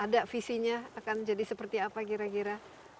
ada visinya akan jadi seperti apa kira kira